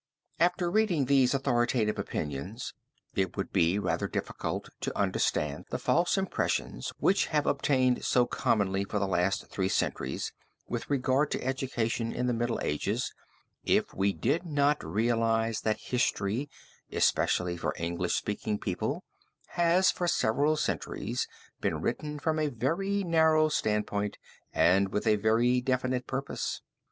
After reading these authoritative opinions, it would be rather difficult to understand the false impressions which have obtained so commonly for the last three centuries with regard to education in the Middle Ages, if we did not realize that history, especially for English speaking people, has for several centuries been written from a very narrow standpoint and with a very definite purpose.